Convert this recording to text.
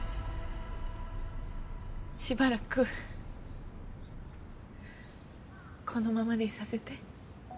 しばらくこのままでいさせて。